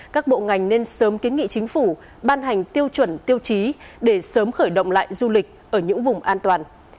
các bộ ngành nên sớm kiến nghị chính phủ ban hành tiêu chuẩn tiêu chí để sớm khởi động lại du lịch ở những vùng an toàn